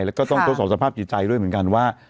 แล้วก็ต้องทดสอบสภาพจิตใจด้วยเหมือนกันว่า